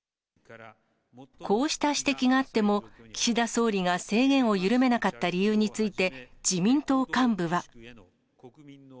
こうした指摘があっても、岸田総理が制限を緩めなかった理由について、自民党幹部は。